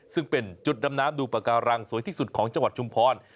ซึ่งเป็นจุดดำน้ำดูปากการังสวยที่สุดของจังหวัดชุมพร